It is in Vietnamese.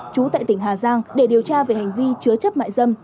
trú tại tỉnh hà giang để điều tra về hành vi chứa chấp mại dâm